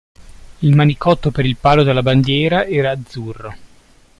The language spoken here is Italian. Il manicotto per il palo della Bandiera era azzurro.